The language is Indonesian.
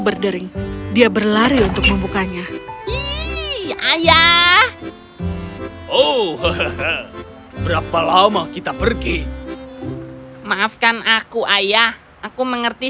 berdering dia berlari untuk membukanya ayah oh berapa lama kita pergi maafkan aku ayah aku mengerti